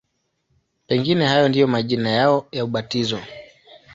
Pengine hayo ndiyo majina yao ya ubatizo.